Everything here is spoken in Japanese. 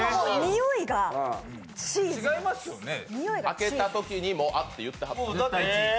開けたときに「あっ」って言ってはった。